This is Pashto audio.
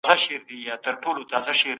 سياست پر ټولنه خپله ژوره اغېزه ښيندي.